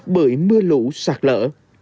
cái lũ sạt lỡ